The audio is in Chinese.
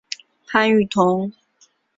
潘雨桐。